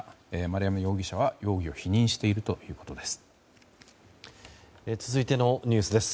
丸山容疑者は、容疑を否認しているということです。